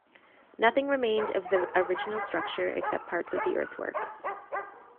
Nothing remained of the original structure except parts of the earthworks.